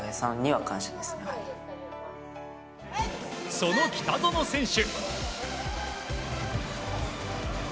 その北園選手。